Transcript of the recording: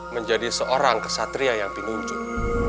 menjadi seorang kesatria yang penunjuk